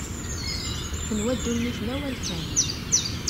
Tenwa ddunit d awal kan.